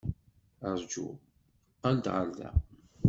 Ṛju. Qqel-d ɣer da.